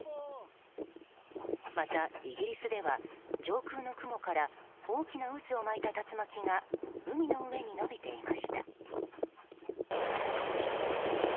また、イギリスでは上空の雲から大きな渦を巻いた竜巻が海の上に伸びていました。